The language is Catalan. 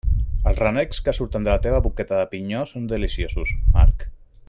Els renecs que surten de la teva boqueta de pinyó són deliciosos, Marc.